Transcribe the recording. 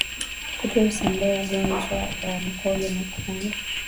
Kupe husambaza ugonjwa wa mkojo mwekundu